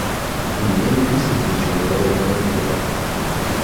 У меня и в мыслях ничего подобного не было.